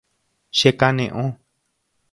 Chekane'õ.